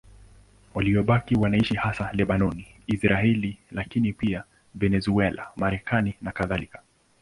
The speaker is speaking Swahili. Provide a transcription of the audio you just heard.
Waliobaki wanaishi hasa Lebanoni, Israeli, lakini pia Venezuela, Marekani nakadhalika.